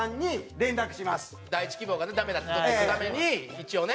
第１希望がねダメだった時のために一応ね。